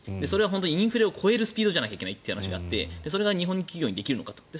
それがインフラを超えるスピードじゃないといけないという話があってそれが日本企業にできるのかと。